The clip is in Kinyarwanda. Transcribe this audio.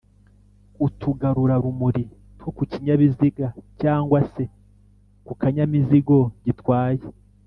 utugarura rumuri two kukinyabiziga cg se kukanyamizigo gitwaye